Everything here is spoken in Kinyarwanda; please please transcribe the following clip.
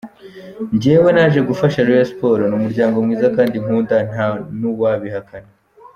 Njyewe naje gufasha Rayon Sports, ni umuryango mwiza kandi nkunda, nta n’uwabihakana.